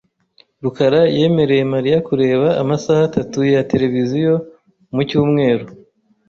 rukara yemereye Mariya kureba amasaha atatu ya tereviziyo mu cyumweru .